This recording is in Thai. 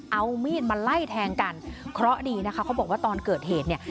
เอามีดมาไล่แทงกันเพราะดีนะคะเขาบอกว่าตอนเกิดเหตุเนี่ย